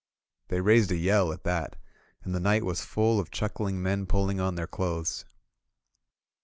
They raised a yell at that, and the night was full of chuckling men pulling on their clothes.